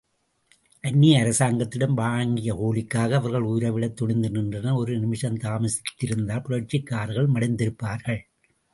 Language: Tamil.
அந்நிய அரசாங்கத்திடம் வாங்கிய கூலிக்காக அவர்கள் உயிரை விடத் துணிந்து நின்றனர் ஒரு நிமிஷம் தாமதித்திருந்திருந்தால் புரட்சிக்காரர்கள் மடிந்திருப்பார்கள்.